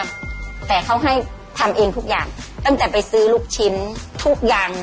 ไม่ได้เป็นเจ้าอย่าง